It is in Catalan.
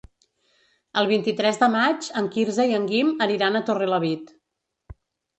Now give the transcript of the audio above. El vint-i-tres de maig en Quirze i en Guim aniran a Torrelavit.